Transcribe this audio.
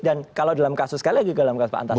dan kalau dalam kasus kalia juga dalam kasus pak antasari